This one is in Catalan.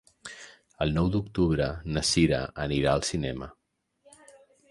El nou d'octubre na Sira anirà al cinema.